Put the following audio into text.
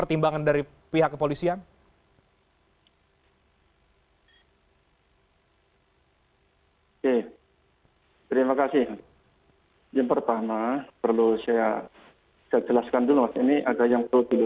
ini di dalam penjelasan